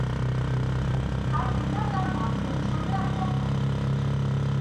আর এটা তার মাত্র ছোট একটা প্রমাণ।